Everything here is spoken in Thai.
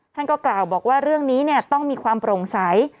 ท่านก็กล่าวบอกว่าเรื่องนี้ต้องมีความโปร่งใส